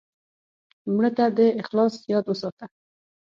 مړه ته د اخلاص یاد وساته